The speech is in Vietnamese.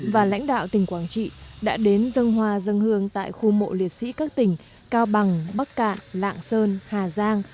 và lãnh đạo tỉnh quảng trị đã đến dân hoa dân hương tại khu mộ liệt sĩ các tỉnh cao bằng bắc cạn lạng sơn hà giang